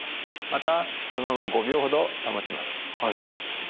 またそのまま５秒ほど保ちます。